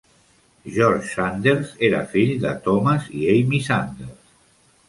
George Sanders era fill de Thomas i Amy Sanders.